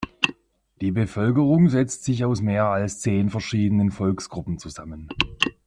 Die Bevölkerung setzt sich aus mehr als zehn verschiedenen Volksgruppen zusammen.